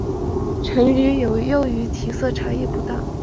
成鱼与幼鱼体色差异不大。